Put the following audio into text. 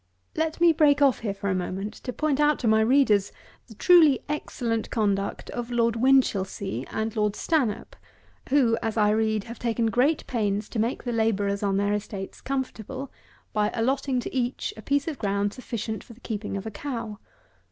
144. Let me break off here for a moment to point out to my readers the truly excellent conduct of Lord WINCHILSEA and Lord STANHOPE, who, as I read, have taken great pains to make the labourers on their estates comfortable, by allotting to each a piece of ground sufficient for the keeping of a cow.